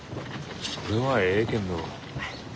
それはえいけんど。